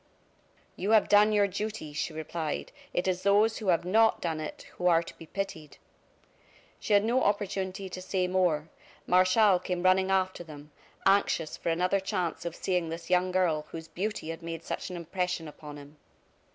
"You have done your duty," she replied; "it is those who have not done it, who are to be pitied!" She had no opportunity to say more. Martial came running after them, anxious for another chance of seeing this young girl whose beauty had made such an impression upon him.